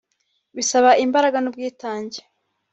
bisaba imbaraga n’ubwitange